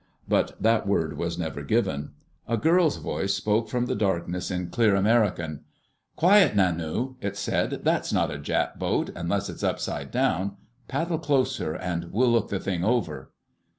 But that word was never given. A girl's voice spoke from the darkness in clear American. "Quiet, Nanu!" it said. "That's not a Jap boat, unless it's upside down. Paddle closer and we'll look the thing over."